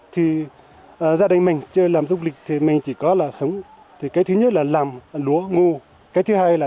thì mình chơi làm du lịch thì mình chỉ có là sống thì cái thứ nhất là làm lúa ngu cái thứ hai là